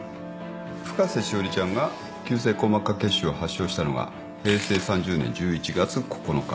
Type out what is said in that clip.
深瀬詩織ちゃんが急性硬膜下血腫を発症したのが平成３０年１１月９日。